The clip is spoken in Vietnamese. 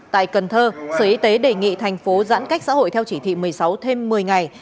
tại cần thơ sở y tế đề nghị thành phố giãn cách xã hội theo chỉ thị một mươi sáu thêm một mươi ngày